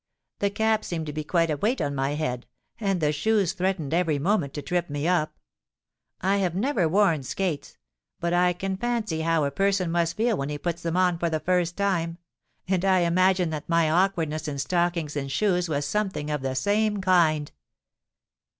The cap seemed to be quite a weight on my head; and the shoes threatened every moment to trip me up. I have never worn skates,—but I can fancy how a person must feel when he puts them on for the first time; and I imagine that my awkwardness in stockings and shoes was something of the same kind.